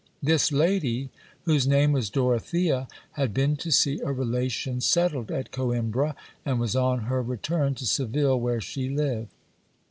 This lady, whose name was Dorothea, had been to see a relation settled at Coimbra, and was on her return to Seville, where she lived.